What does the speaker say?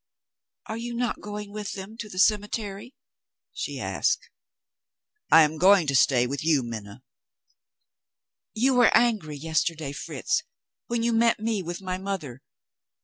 "Are you not going with them to the cemetery?" she asked. "I am going to stay with you, Minna." "You were angry yesterday, Fritz, when you met me with my mother.